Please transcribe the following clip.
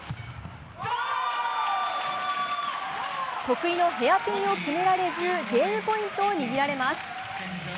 得意のヘアピンが決められずゲームポイントをにぎられます。